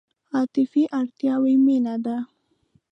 عاطفي اړتیاوې مینه ده.